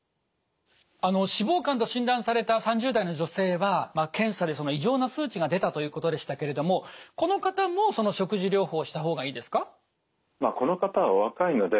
脂肪肝と診断された３０代の女性は検査で異常な数値が出たということでしたけれどもこの方も食事療法した方がいいですか？